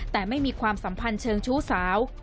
แต่ไม่มีความสัมพันธ์เชิงชู้สาว